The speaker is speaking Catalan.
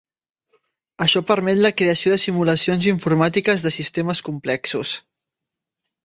Això permet la creació de simulacions informàtiques de sistemes complexos.